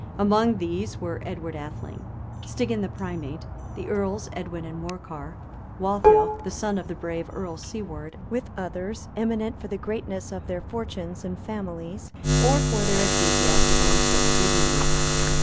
Among these were Edgar Atheling, Stigand the primate, the earls Edwin and Morcar, Waltheof, the son of the brave Earl Siward, with others, eminent for the greatness of their fortunes and families, or for their ecclesiastical and civil dignities.